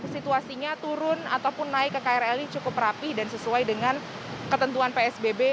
situasinya turun ataupun naik ke krl ini cukup rapi dan sesuai dengan ketentuan psbb